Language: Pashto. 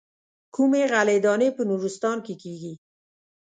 کومې غلې دانې په نورستان کې کېږي.